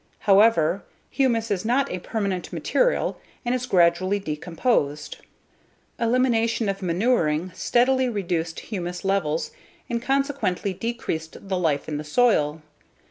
However, humus is not a permanent material and is gradually decomposed. Elimination of manuring steadily reduced humus levels and consequently decreased the life in the soil.